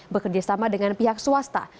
bekerjasama dengan pihak swasta